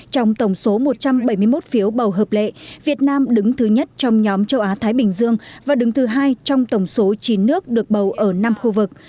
trong tổng số một trăm bảy mươi một phiếu bầu hợp lệ việt nam đứng thứ nhất trong nhóm châu á thái bình dương và đứng thứ hai trong tổng số chín nước được bầu ở năm khu vực